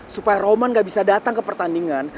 supaya roman gak bisa datang ke pertandingan